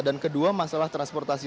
dan kedua masalah transportasi